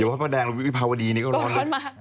อย่าว่าพระแดงหรือวิภาวดีนี่ก็ร้อนมาก